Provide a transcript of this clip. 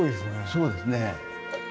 そうですね。